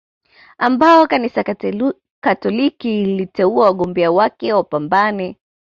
ambao Kanisa Katoliki liliteua wagombea wake wapambane